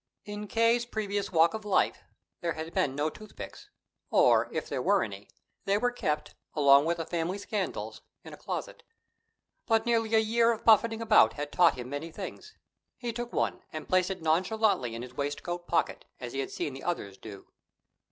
In K.'s previous walk of life there had been no toothpicks; or, if there were any, they were kept, along with the family scandals, in a closet. But nearly a year of buffeting about had taught him many things. He took one, and placed it nonchalantly in his waistcoat pocket, as he had seen the others do.